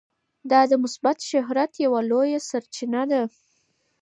دا د مثبت شهرت یوه لویه سرچینه ده.